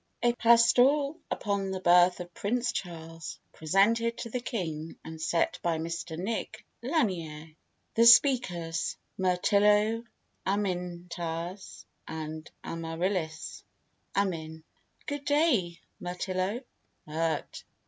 A PASTORAL UPON THE BIRTH OF PRINCE CHARLES: PRESENTED TO THE KING, AND SET BY MR NIC. LANIERE THE SPEAKERS: MIRTILLO, AMINTAS, AND AMARILLIS AMIN. Good day, Mirtillo. MIRT.